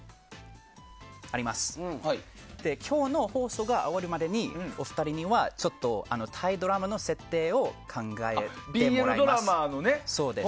今日の放送が終わるまでにお二人にはちょっと、タイドラマの設定を考えてもらいます。